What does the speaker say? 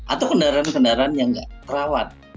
atau kendaraan kendaraan yang nggak rawat